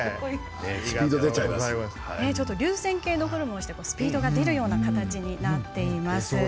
流線型のフォルムをしてスピードが出る形になっています。